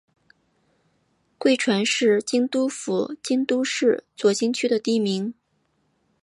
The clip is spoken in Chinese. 贵船是京都府京都市左京区的地名。